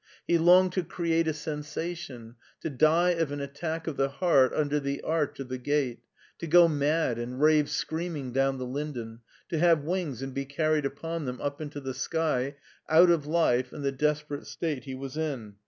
He longed to create a sensation, to die of an attack of the heart under the arch of the gate, to go mad and rave screaming down the Linden, to have wings and be carried upon them up into the sky out of life and the desperate state he was in.